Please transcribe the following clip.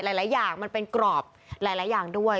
หลายอย่างมันเป็นกรอบหลายอย่างด้วย